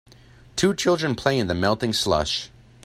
Two children play in the melting slush.